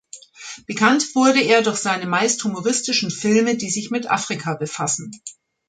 Bekannt wurde er durch seine meist humoristischen Filme, die sich mit Afrika befassen.